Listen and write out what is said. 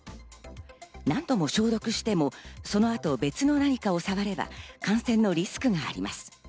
何度も消毒しても、そのあと別の何かを触れば感染のリスクがあります。